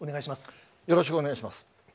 よろしくお願いします。